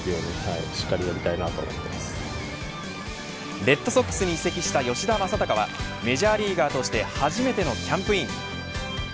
レッドソックスに移籍した吉田正尚はメジャーリーガーとして初めてのキャンプイン。